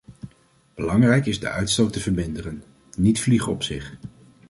Belangrijk is de uitstoot te verminderen, niet vliegen op zich.